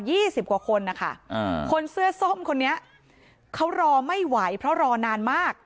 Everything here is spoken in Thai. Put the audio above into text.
สิบกว่าคนนะคะอ่าคนเสื้อส้มคนนี้เขารอไม่ไหวเพราะรอนานมาก